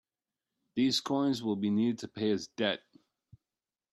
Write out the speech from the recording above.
These coins will be needed to pay his debt.